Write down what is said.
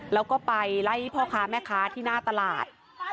แล้วก็ไปไล่พ่อค้าแม่ค้าที่หน้าตลาด